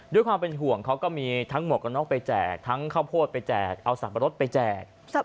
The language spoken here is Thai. ด้วยความเป็นห่วงเขาก็มีทั้งหมวกกันน็อกไปแจกทั้งข้าวโพดไปแจกเอาสับปะรดไปแจก